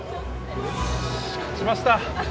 よし、勝ちました。